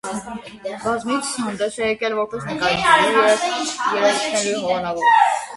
Բազմիցս հանդես է եկել որպես նկարիչների ու երաժիշտների հովանավոր։